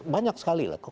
banyak sekali lah